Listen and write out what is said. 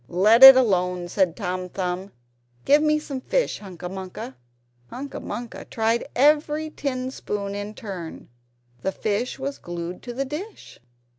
"Let it alone," said Tom Thumb; "give me some fish, Hunca Munca!" Hunca Munca tried every tin spoon in turn; the fish was glued to the dish.